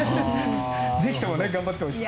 ぜひとも頑張ってほしい。